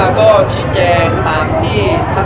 แต่พวกเราทุกคนแปลกมามากมายนะครับ